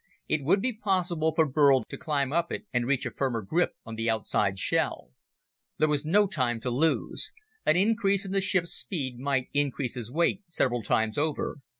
It would be possible for Burl to climb up it and reach a firmer grip on the outside shell. There was no time to be lost. An increase in the ship's speed might increase his weight several times over.